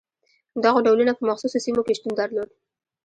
دغو ډولونه په مخصوصو سیمو کې شتون درلود.